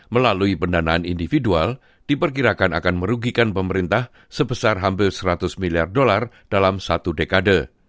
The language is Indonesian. melalui pendanaan individual diperkirakan akan merugikan pemerintah sebesar hampir seratus miliar dolar dalam satu dekade